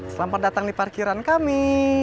selamat datang di parkiran kami